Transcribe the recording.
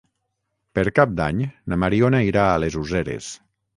Per Cap d'Any na Mariona irà a les Useres.